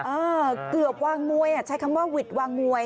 เออเกือบวางมวยใช้คำว่าหวิดวางมวย